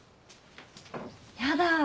やだ